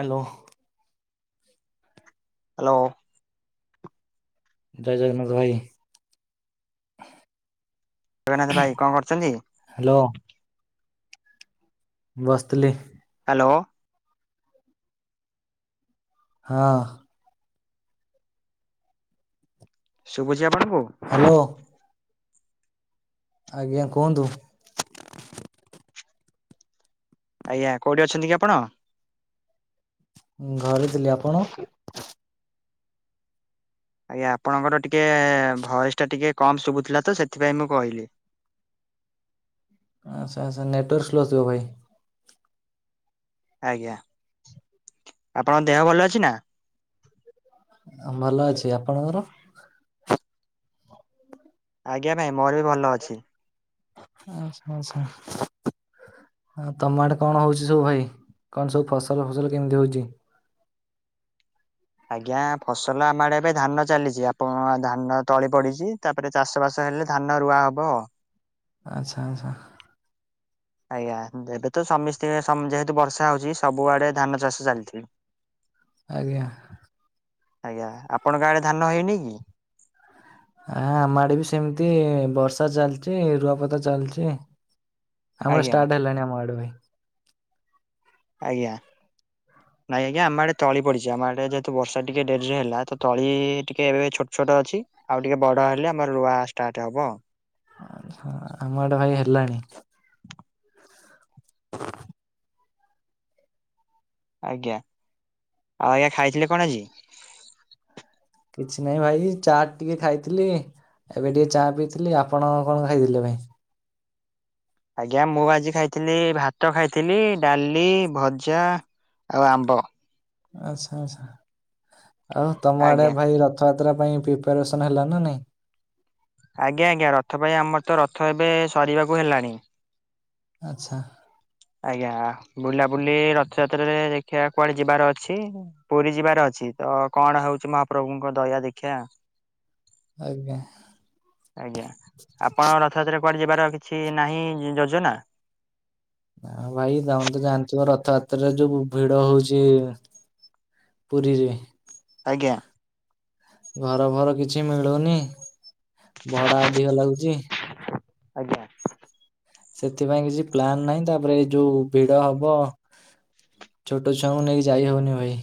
Hello. Hello. ଜୟ ଜଗନ୍ନାଥ ଭାଇ। ଦେଗନ୍ନାଥ ଭାଇ କଣ କରୁଛନ୍ତି? ହ୍ୟାଲୋ। ବସଥିଲି। ହ୍ୟାଲୋ। ହଁ। ଶୁଭୁଚି ଆପଣଙ୍କୁ? ହ୍ୟାଲୋ। ଆଜ୍ଞା କୁହନ୍ତୁ? ଆଜ୍ଞା କୋଉଠି ଅଛନ୍ତି କି ଆପଣ? ଘରେ ଥିଲି। ଆପଣ? ଆଜ୍ଞା। ଆପଣଙ୍କର ଟିକେ ଭଏସଟା ଟିକେ କମ୍ ଶୁଭୁଥିଲା ତ, ସେଥିପାଇଁ ମୁଁ କହିଲି। ଆଚ୍ଛା। ଆଚ୍ଛା। ନେଟୱାର୍କ ସ୍ଲୋ ଥିବ ଭାଇ। ଆଜ୍ଞା ଆପଣଙ୍କ ଦେହ ଭଲ ଅଛି ନା? ଭଲ ଅଛି। ଆପଣଙ୍କର? ଆଜ୍ଞା ଭାଇ ମୋର ବି ଭଲ ଅଛି। ଆଚ୍ଛା ଆଚ୍ଛା। ତମଆଡେ କଣ ହଉଛି ସବୁ ଭାଇ? କଣ ସବୁ ଫସଲ ଫସଲ କେମିତି ହଉଛି? ଆଜ୍ଞା ଫସଲ ଆମ ଆଡେ ଏବେ ଧାନ ଚାଲିଚି। ଆପଣ ଧାନ ତଳି ପଡିଛି ତା। ତାପରେ ଚାଷ ବାସ ହେଲେ। ଧାନ ରୁଆ ହବ। ଆଚ୍ଛା ଆଚ୍ଛା। ଆଜ୍ଞା, ଏବେ ତ ସମୀସ୍ତେ ସମ ଯେହେତୁ ବର୍ଷା ହଉଛି ସବୁଆଡେ ଧାନ ଚାଷ ଚାଲିଛି। [unintelligible] ଆଜ୍ଞା। ଆଜ୍ଞା, ଆପଣଙ୍କ ଆଡେ ଧାନ ହେଇନି କି? ଆ ଆମ ଆଡେ ବି ସେମ୍ ତି ବର୍ଷା ଚାଲିଛି। ରୁଆପୋତା ଚାଲିଛି। ଆମର ଆଜ୍ଞା ଷ୍ଟାର୍ଟ ହେଲାଣି ଆମ ଆଡେ ଭାଇ। ଆଜ୍ଞା। ନାଇଁ ଆଜ୍ଞା, ଆମ ଆଡେ ତଳିପଡ଼ିଛି। ଆମଆଡେ ଯେହେତୁ ବର୍ଷା ଟିକେ ଡେରିରେ ହେଲା, ତ ତଳି ଟିକେ ଏବେ ଛୋଟ ଛୋଟ ଅଛି। ଆଉ ଟିକେ ବଡ ହେଲେ ଆମର ରୁଆ ଷ୍ଟାର୍ଟ ହବ। ଆ ଆମ ଆଡେ ଭାଇ ହେଲାଣି। ଆଜ୍ଞା। ଆଉ ଆଜ୍ଞା ଖାଇଥିଲେ କଣ ଆଜି? କିଛି ନାଇଁ ଭାଇ ଚାଟ୍ ଟିକେ ଖାଇଥିଲି। ଏବେ ଟିକେ ଚା ପିଇଥିଲି। ଆପଣ କଣ ଖାଇଥିଲେ ଭାଇ? ଆଜ୍ଞା, ମୁଁ ଆଜି ଖାଇଥିଲି ଭାତ ଖାଇଥିଲି ଡାଲି ଭଜା ଆଉ ଆମ୍ବ। ଆଚ୍ଛା ଆଚ୍ଛା। ଆଉ ତମ ଆଡ଼େ ଆଜ୍ଞା ଭାଇ ର ଥଯାତ୍ରା ପାଇଁ ପ୍ରିପାରେସନ୍ ହେଲାଣି ନା ନାାଇଁ? ଆଜ୍ଞା ଆଜ୍ଞା। ରଥ ପାଇଁ ଆମର ତ ରଥ ଏବେ ସରିବାକୁ ହେଲାଣି। ଆଚ୍ଛା। ଆଜ୍ଞା। ବୁଲାବୁଲି ରଥଯାତ୍ରାରେ ଦେଖିବା କୁଆଡ଼େ ଯିବାର ଅଛି ପୁରୀ ଯିବାର ଅଛି। ତ କଣ ହେଉଛି ମହାପ୍ରଭୁଙ୍କ ଦୟା ଦେଖିବା। ଆଜ୍ଞା। ଆଜ୍ଞା। ଆପଣଙ୍କ ରଥଯାତ୍ରା କୁଆଡ଼େ ଯିବାର କିଛି ନାହିଁ ଯୋଜନା? ହଁ ଭାଇ ତମେ ତ ଜାଣିଥିବ ରଥଯାତ୍ରାରେ ଯୋଉ ଭିଡ଼ ହଉଛି ପୁରୀରେ ଆଜ୍ଞା। ଘର ଭର କିଛି ମିଳୁନି। ଭଡ଼ା ଅଧିକ ଲାଗୁଛି। ଆଜ୍ଞା। ସେଥିପାଇଁ କିଛି ପ୍ଲାନ ନାହିଁ। ତାପରେ ଏଇ ଯୋଉ ଭିଡ଼ ହବ ଛୋଟ ଛୁଆଙ୍କୁ ନେଇକି ଯାଇ ହେବନି ଭାଇ।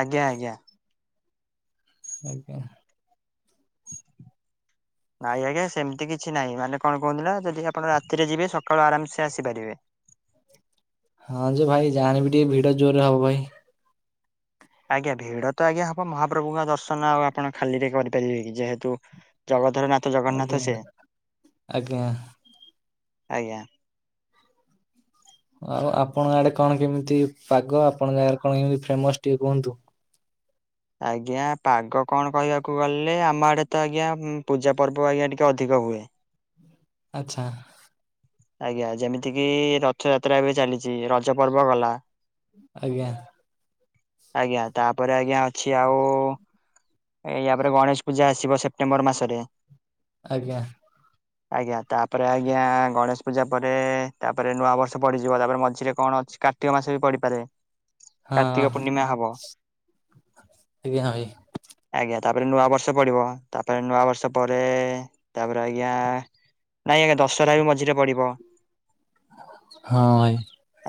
ଆଜ୍ଞା ଆଜ୍ଞା। ଆଜ୍ଞା। ନାଇଁ ଆଜ୍ଞା ସେମିତି କିଛି ନାହିଁ। ମାନେ କଣ କୁହନ୍ତିନା ଯଦି ଆପଣ ରାତିରେ ଯିବେ ସକାଳୁ ଆରାମ୍ ସେ ଆସିପାରିବେ। ହଁ ଯେ ଭାଇ। ଜାହେଲେ ବି ଟିକେ ଭିଡ଼ ଜୋର୍ ରେ ହବ ଭାଇ ଆଜ୍ଞା ଭିଡ଼ ତ ଆଜ୍ଞା ହବ ମହାପ୍ରଭୁଙ୍କ ଦର୍ଶନ ଆଉ ଆପଣ ଖାଲିରେ କରିପାରିବେ କି ଯେହେତୁ ଜଗତର ନାଥ ଆଜ୍ଞା ଜଗନ୍ନାଥ ସେ ଆଜ୍ଞା। ଆଜ୍ଞା। ଆଉ ଆପଣଙ୍କ ଆଡ଼େ କଣ କେମିତି ପାଗ। ଆପଣଙ୍କ ଗାଁରେକଣ କେମିତି ଫେମସ୍ ଟିକେ କୁହନ୍ତୁ? ଆଜ୍ଞା ପାଗ କଣ କହିବାକୁ ଗଲେ ଆମ ଆଡ଼େ ତ ଆଜ୍ଞା ପୂଜା ପର୍ବ ଆଜ୍ଞା ଟିକେ ଅଧିକ ହୁଏ। ଆଚ୍ଛା। ଆଜ୍ଞା ଯେମିତି କିି ରଥଯାତ୍ରା ଏବେ ଚାଲିଛି ରଜ ପର୍ବ ଗଲା ଆଜ୍ଞା। ଆଜ୍ଞା ତାପରେ ଆଜ୍ଞା ଅଛି ଆଉ ୟାପରେ ଗଣେଶ ପୂଜା ଆସିବ ସେପ୍ଟେମ୍ବର ମାସରେ ଆଜ୍ଞା। [inaudible] ଆଜ୍ଞା ତାପରେ ଆଜ୍ଞା ଗଣେଶ ପୂଜା ପରେ ତାପରେ ନୂଆ ବର୍ଷ ପଡ଼ିଯିବ ତାପରେ ମଝିରେ କଣ ଅଛି କାର୍ ର୍ତ୍ତିକ ମାସ ବି ପଡ଼ିପାରେ ହଁ ଏବେ ହଁ ଭାଇ। ଆଜ୍ଞା ତାପରେ ନୂଆ ବର୍ଷ ପଡ଼ିବ ତାପରେ ନୂଆ ବର୍ଷ ପରେ ତାପରେ ଆଜ୍ଞା ନାଇଁ ଆଜ୍ଞା ଦଶହରା ବି ମଝିରେ ପଡ଼ିବ ହଁ ଭାଇ।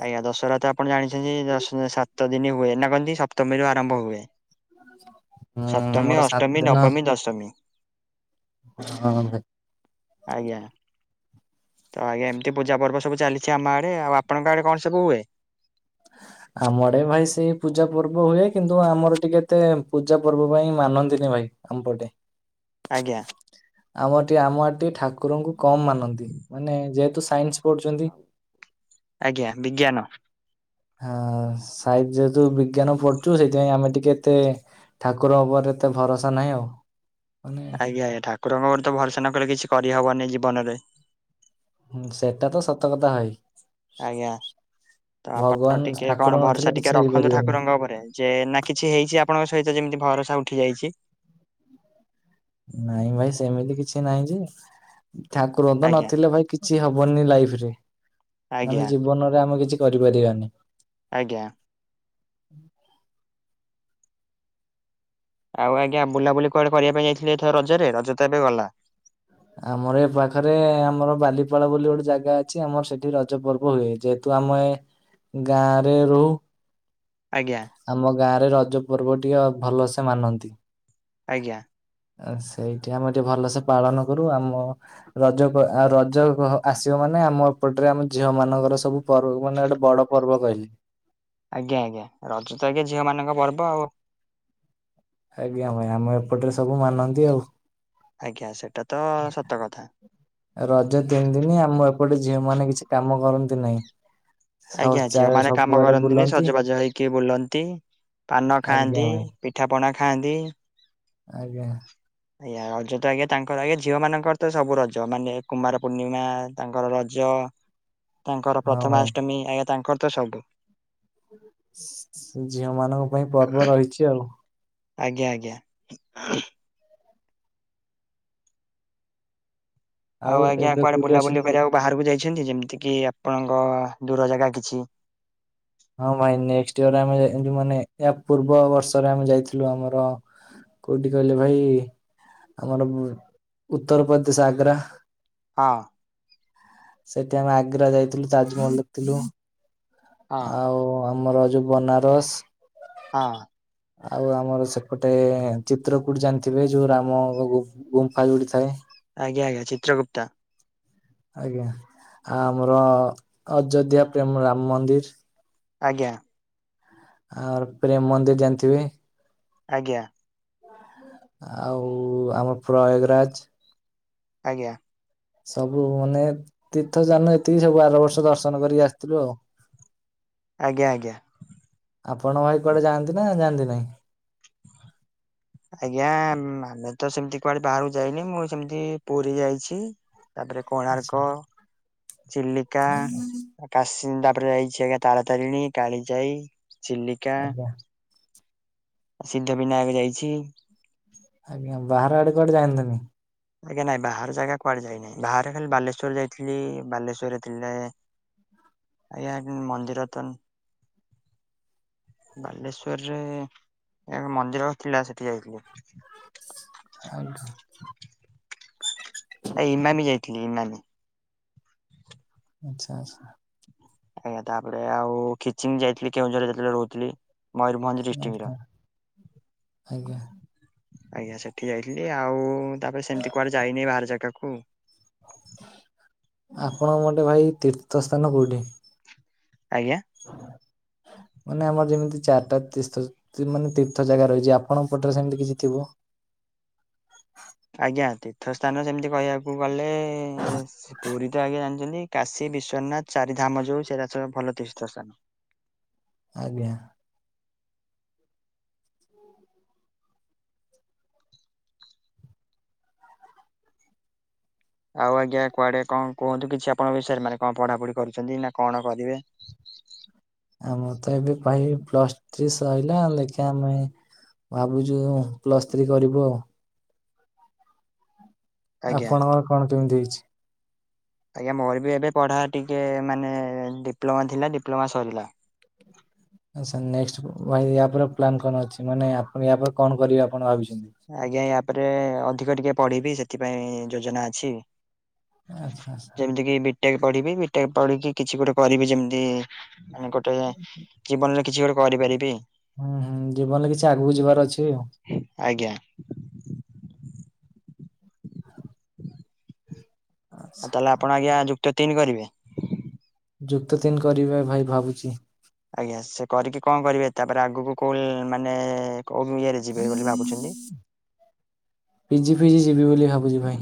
ଆଜ୍ଞା ଦଶହରା ତ ଆପଣ ଜାଣିଛନ୍ତି ଦଶ ସାତ ଦିନି ହୁଏ ନା କଣନ୍ତି ସପ୍ତମୀରୁ ଆରମ୍ଭ ହୁଏ [inaudible] ଆମର ସପ୍ତମୀ, ସାତ ଅଷ୍ଟମୀ, ଦିନ ନବମୀ, ଦଶମୀ। ହଁ ହଁ। ଆଜ୍ଞା। ତ ଆଜ୍ଞା ଏମିତି ପୂଜା ପର୍ବ ସବୁ ଚାଲିଛି ଆମ ଆଡ଼େ ଆଉ ଆପଣଙ୍କ ଆଡ଼େ କଣ ସବୁ ହୁଏ? [inaudible] ଆମ ଆଡ଼େ ବି ଭାଇ ସେଇ ପୂଜା ପର୍ବ ହୁଏ କିନ୍ତୁ ଆମର ଟିକେ ଏତେ ପୂଜା ପର୍ବ ପାଇଁ ମାନନ୍ତିନି ଭାଇ। ଆମ ପଟେ। ଆଜ୍ଞା। ଆମେ ଆଡ଼େ ଟିକେ ଆମ ଆଡ଼େ ଟିକେ ଠାକୁରଙ୍କୁ କମ୍ ମାନନ୍ତି ମାନେ ଯେହେତୁ ସାଇନ୍ସ ପଢ଼ୁଚନ୍ତି। ଆଜ୍ଞା ବିଜ୍ଞାନ। ହଁ ସାଇଜି ଯେହେତୁ ବିଜ୍ଞାନ ପଢ଼ୁଛୁ ସେଇଥିପାଇଁ ଆମେ ଟିକେ ଏତେ ଠାକୁରଙ୍କ ଉପରେ ଏତେ ଭରସା ନାହିଁ ଆଉ। ମାନେ ଆଜ୍ଞା ଆଜ୍ଞା ଠାକୁରଙ୍କ ଉପରେ ତ ଭରଷା ନ କଲେ କିଛି କରିହବନି ଜୀବନରେ। ହୁଁ ସେଟା ତ ସତ କଥା ଭାଇ। ଆଜ୍ଞା ତ ଆପଣ ଭଗବାନ ଟିକେ ଠାକୁର କଣ ନଥିଲେ ଭରଷା କିଛି ଟିକେ ରଖନ୍ତୁ ହେଇପାରିବନି। ଠାକୁରଙ୍କ ଉପରେ। ଯେ ନା କିଛି ହେଇଚି ଆପଣଙ୍କ ସହିତ ଯେମିତି ଭରଷା ଉଠି ଯାଇଚି? ନାଇଁ ଭାଇ ସେମିତି କିଛି ନାହିଁ ଯେ ଠାକୁର ତ ଆଜ୍ଞା ନଥିଲେ ଭାଇ କିଛି କିଛି ହବନି ଲାଇଫି ରେ ଆଜ୍ଞା ମାନେ ଜୀବନରେ ଆମେ କିଛି କରିପାରିବାନି। ଆଜ୍ଞା। ଆଉ ଆଜ୍ଞା ବୁଲାବୁଲି କୁଆଡ଼େ କରିବା ପାଇଁ ଯାଇଥିଲେ ଏଥର ରଜରେ ରଜ ତ ଏବେ ଗଲା? ଆମର ଏ ପାଖରେ ଆମର ବାଲିପାଳ ବୋଲି ଗୋଟେ ଜାଗା ଅଛି ଆମର ସେଠି ରଜ ପର୍ବ ହୁଏ ଯେହେତୁ ତୁ ଆମେ ଗାଁରେ ରହୁ ଆଜ୍ଞା। ଆମ ଗାଁ ରେ ରଜ ପର୍ବ ଟିକେ ଭଲସେ ମାନନ୍ତି। ଆଜ୍ଞା। ସେଇଠି ଆମେ ଟିକେ ଭଲସେ ପାଳନ କରୁ ଆମ ରଜ ଆ ରଜ ଆସିବ ମାନେ ଆମ ଏପଟରେ ଆମ ଝିଅ ମାନଙ୍କର ସବୁ ପରୋଉ ମାନେ ଗୋଟେ ବଡ଼ ପର୍ବ କହିଲି। ଆଜ୍ଞା ଆଜ୍ଞା ରଜ ତ ଆଜ୍ଞା ଝିଅ ମାନଙ୍କ ପର୍ବ ଆଉ। ଆଜ୍ଞା ଭାଇ ଆମ ଏପଟରେ ସବୁ ମାନନ୍ତି ଆଉ। ଆଜ୍ଞା ସେଟା ତ ସତ କଥା। ରଜ ତିନି ଦିଇନି ଆମ ଏପଟେ ଝିଅ ମାନେ କିଛି କାମ କରନ୍ତି ନାହିଁ। ସବୁ ଆଜ୍ଞା ଚା ଝିଅ ମାନେ କାମ ସବୁଆଡେ କରନ୍ତିନି ବୁଲନ୍ତି ସଜବାଜ ହେଇକି ବୁଲନ୍ତି ପାନ ଆଜ୍ଞା ଖାଆନ୍ତି। ଭାଇ ପିଠାପଣା ଖାଆନ୍ତି। ଆଜ୍ଞା। [inaudible] ଆଜ୍ଞା ରଜ ତ ଆଜ୍ଞା ତାଙ୍କର ଆଜ୍ଞା ଝିଅମାନଙ୍କର ତ ସବୁ ରଜ ମାନେ କୁମାର ପୂର୍ଣ୍ଣିମା ତାଙ୍କର ରଜ। ତାଙ୍କର ହଁ ଭାଇ। ପ୍ରଥମାଷ୍ଟମୀ ଆଜ୍ଞା ତାଙ୍କର ତ ସବୁ। ଝିଅ ମାନଙ୍କ ପାଇଁ ପର୍ବ ରହିଚି ଆଉ। ଆଜ୍ଞା ଆଜ୍ଞା। ଆଉ ଆଜ୍ଞା ଏବେ କୁଆଡେ କୋଉଠି ବୁଲାବୁଲି ଅଛନ୍ତି ଭାଇ? କରିବାକୁ ବାହାରକୁ ଯାଇଛନ୍ତି ଯେମିତି କିି ଆପଣଙ୍କ ଦୂର ଜାଗା କିଛି? ହଁ ଭାଇ ନେକ୍ସଟ୍ ଇଅର୍ ଆମେ ମାନେ ଇଏ ପୂର୍ବ ବର୍ଷରେ ଆମେ ଯାଇଥିଲୁ ଆମର କୋଉଠି କହିଲେ ଭାଇ ଆମର ଉତ୍ତରପ୍ରଦେଶ ଆଗ୍ରା। ହଁ ସେଠି ଆମେ ଆଗ୍ରା ଯାଇଥିଲୁ ତାଜମହଲ ଦେଖିଥିଲୁ। ହଁ ଆଉ ଆମର ଯୋଉ ବନାରସ। ହଁ ଆଉ ଆମର ସେପଟେ ଚିତ୍ରକୁଟ ଜାଣିଥିବେ ଯୋଉ ରାମ ଗ ଗୁ ଗୁମ୍ଫା ଯୋଉଠି ଥାଏ। ଆଜ୍ଞା ଆଜ୍ଞା ଚିତ୍ରଗୁପ୍ତା। ଆଜ୍ଞା ଆଉ ଆମର ଅଯୋଧ୍ୟା ପ୍ରେମ ରାମ ମନ୍ଦିର। ଆଜ୍ଞା। ଆ ର ପ୍ରେମ ମନ୍ଦିର ଜାନ୍ଥିବେ। ଆଜ୍ଞା। ଆଉ ଆମର ପ୍ରୟାଗରାଜ। ଆଜ୍ଞା। ସବୁ ମାନେ ତୀର୍ଥଯାନ ଏତିକି ସବୁ ଆର ବର୍ଷ ଦର୍ଶନ କରିକି ଆସିଥିଲୁ ଆଉ। ଆଜ୍ଞା ଆଜ୍ଞା। ଆପଣ ଭାଇ କୁଆଡେ ଯାଆନ୍ତି ନା ଯାଆନ୍ତି ନାହିଁ? ଆଜ୍ଞା ଆମେ ତ ସେମିତି କୁଆଡେ ବାହାରକୁ ଯାଇନି ମୁଁ ସେମିତି ପୁରୀ ଯାଇଚି। ତାପରେ ଆଚ୍ଛା କୋଣାର୍କ ଚିଲିକା କାସିଂ ତାପରେ ଯାଇଛି ଆଜ୍ଞା ତାରାତାରିଣୀ କାଳିଜାଇ ଚିଲିକା। ଆଜ୍ଞା ସିଦ୍ଧ ବିନାୟକ ଯାଇଚି। ଆଜ୍ଞା ବାହାର ଆଡେ କୁଆଡେ ଯାଇନାହାନ୍ତି? ଆଜ୍ଞା ନାଇଁ ବାହାର ଜାଗା କୁଆଡେ ଯାଇନାହିଁ ବାହାରେ ଖାଲି ବାଲେଶ୍ଵର୍ ଯାଇଥିଲି ବାଲେଶ୍ଵରରେ ଥିଲେ ଆଜ୍ଞା ଏମ୍ ମନ୍ଦିର ତନ୍ ବାଲେସ୍ଵର୍ ରେ ଏକ ମନ୍ଦିର ଥିଲା ସେଠି ଯାଇଥିଲି। [inaudible] ଏ ଇମାମି ଯାଇଥିଲି ଇମାମି। ଆଚ୍ଛା ଆଚ୍ଛା। ଆଜ୍ଞା ତାପରେ ଆଉ ଖିଚିଙ୍ଗ ଯାଇଥିଲି କେଉଁଝରରେ ଯେତେବେଳେ ରହୁଥିଲି। ମୟୂରଭଞ୍ଜ ଡିଷ୍ଟ୍ରିକ୍ଟ ର ଆଜ୍ଞା ଆଜ୍ଞା। ଆଜ୍ଞା ସେଠି ଯାଇଥିଲି ଆଉ ତାପରେ ସେମିତି କୁଆଡେ ଯାଇନି ବାହାର ଜାଗାକୁ। ଆପଣଙ୍କ ମୋଟେ ଭାଇ ତୀର୍ଥସ୍ଥାନ କୋଉଠି? ଆଜ୍ଞା। ମାନେ ଆମର ଯେମିତି ଚାରଟା ତୀସ୍ର୍ଥ ତୀ ମାନେ ତୀର୍ଥ ଜାଗା ରହିଛି ଆପଣଙ୍କ ପଟରେ ସେମିତି କିଛି ଥିବ? ଆଜ୍ଞା ତୀର୍ଥ ସ୍ଥାନ ସେମିତି କହିବାକୁ ଗଲେ ପୁରୀ ତ ଆଜ୍ଞା ଜାନ୍ଚନ୍ତି। କାଶୀ ବିଶ୍ୱନାଥ ଚାରି ଧାମ ଯୋଉ ସେରା ସବୁ ଭଲ ତୀର୍ଥ ସ୍ଥାନ। ଆଜ୍ଞା। [inaudible] ଆଉ ଆଜ୍ଞା କୁଆଡେ କଂ କୁହନ୍ତୁ କିଛି ଆପଣଙ୍କ ବିଷୟରେ ମାନେ କଣ ପଢ଼ାପଢ଼ି କରୁଛନ୍ତି ନା କଣ କରିବେ? ଆମାର ତ ଏବେ ଭାଇ ପ୍ଲସ୍ ଥ୍ରି ସରିଲା ଆଉ ଦେଖିଆ ଆମେ ଭାବୁଚୁ ପ୍ଲସ୍ ଥ୍ରୀ କରିବୁ ଆଉ। ଆଜ୍ଞା ଆପଣଙ୍କର କଣ କେମିତି ହେଇଚି। ଆଜ୍ଞା ମୋର ବି ଏବେ ପଢା ଟିକେ ମାନେ ଡିପ୍ଲୋମା ଥିଲା ଡିପ୍ଲୋମା ସରିଲା। ଆ ସାର୍ ନେକ୍ସଟ ଭାଇ ୟାପରେ ପ୍ଲାନ୍ କଣ ଅଛି ମାନେ ଆପଣ ୟା ପରେ କଣ କରିବେ ଆପଣ ଭାବିଚନ୍ତି। ଆଜ୍ଞା ୟାପରେ ଅଧିକ ଟିକେ ପଢିବି ସେଥିପାଇଁ ଯୋଜନା ଅଛି। ଆଚ୍ଛା ଆଚ୍ଛା ଯେମିତି କି ବି ଟେକ ପଢିବି ବି ଟେକ ପଢିକି କିଛି ଗୋଟେ କରିବି ଯେମିତି ମାନେ ଗୋଟେ ଜୀବନରେ କିଛି ଗୋଟେ କରିପାରିବି। ହୁଁ ହୁଁ ଜୀବନରେ କିଛି ଆଗକୁ ଯିବାର ଅଛି ଆଉ। ଆଜ୍ଞା। [inaudible] ଆ ଆଚ୍ଛା ତାହେଲେ ଆପଣ ଆଜ୍ଞା ଯୁକ୍ତ ତିନି କରିବେ। ଯୁକ୍ତ ତିନି କରିବା ଭାଇ ଭାବୁଚି। ଆଜ୍ଞା ସେ କରିକି କ କରିବେ ତାପରେ ଆଗକୁ କୋଉ ମାନେ କଉ ଇଏରେ ଯିବେ ବୋଲି ଭାବୁଚନ୍ତି। ପିଜି ଫିଜି ଯିବି ବୋଲି ଭାବୁଛି ଭାଇ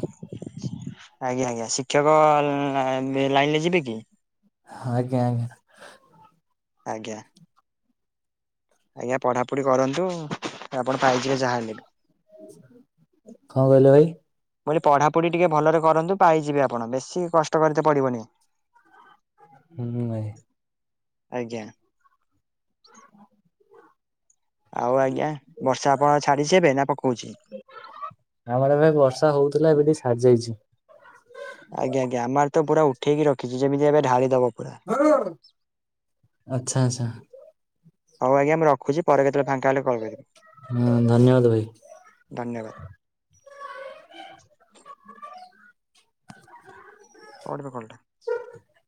ଆଜ୍ଞା ଆଜ୍ଞା ଶିକ୍ଷକ ଲ ଲା ଲାଇନରେ ଯିବେ କି? ଆଜ୍ଞା ଆଜ୍ଞା। ଆଜ୍ଞା। ଆଜ୍ଞା ପଢାପଢି କରନ୍ତୁ ଆପଣ ପାଇଯିବେ ଯାହା ହେଲେ। କଣ କହିଲ ଭାଇ? ବୋଲି ପଢ଼ାପଢ଼ି ଟିକେ ଭଲରେ କରନ୍ତୁ ପାଇଯିବେ ଆପଣ ବେଶୀ କଷ୍ଟ କରି ତେ ପଡ଼ିବନି। ହୁଁ ଅ। ଆଜ୍ଞା। ଆଉ ଆଜ୍ଞା ବର୍ଷା ଆପଣ ଛାଡ଼ିଛି ଏବେ ନା ପକଉଛି? ଆମର ଏବେ ବର୍ଷା ହଉଥିଲା ଏବେ ଟିକେ ଛାଡ଼ିଯାଇଛି। ଆଜ୍ଞା ଆଜ୍ଞା ଆମ ଆଡ଼େ ତ ପୁରା ଉଠେଇକି ରଖିଛି ଯେମିତି ଏବେ ଢାଳି ଦବ ପୁରା। ଆଚ୍ଛା ଆଚ୍ଛା। ହଉ ଆଜ୍ଞା ମୁ ରଖୁଛି ପରେ କେତେବେଳେ ଫାଙ୍କା ହେଲେ କଲ୍ କରିବି। ହୁଁ ଧନ୍ୟବାଦ ଭାଇ। ଧନ୍ୟବାଦ। [unintelligible] [inaudible]